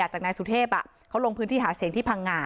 จากนายสุเทพเขาลงพื้นที่หาเสียงที่พังงา